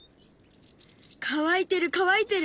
乾いてる乾いてる！